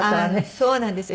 そうなんですよ。